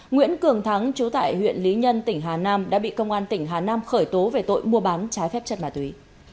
nguyễn cường thắng chú tại huyện lý nhân tỉnh hà nam đã bị công an tỉnh hà nam khởi tố về tội mua bán trái phép chất ma túy